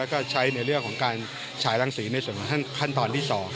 แล้วก็ใช้ในเรื่องของการฉายรังสีในส่วนของขั้นตอนที่๒